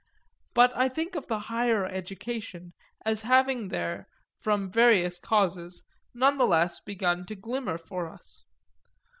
But I think of the higher education as having there, from various causes, none the less begun to glimmer for us.